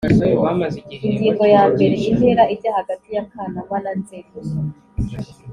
Ingingo ya mbere Intera ijya hagati yakanama na nzeri